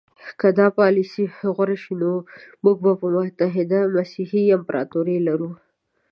که دا پالیسي غوره شي نو موږ به متحده مسیحي امپراطوري لرو.